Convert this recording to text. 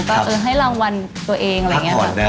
ก็จะให้รางวัลตัวเองอะไรอย่างเงี้ย